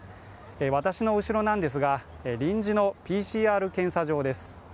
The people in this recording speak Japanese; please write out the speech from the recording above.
私の後ろなんですが、臨時のＰＣＲ検査場です。